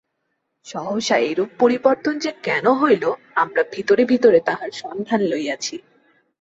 সহসা এরূপ পরিবর্তন যে কেন হইল আমরা ভিতরে ভিতরে তাহার সন্ধান লইয়াছি।